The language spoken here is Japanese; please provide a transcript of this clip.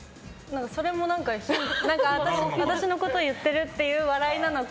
それも私のこと言ってるっていう笑いなのか。